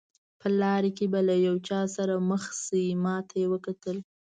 په لاره کې به له یو چا سره مخ شئ، ما ته یې وکتل.